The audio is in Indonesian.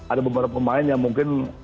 ada beberapa pemain yang mungkin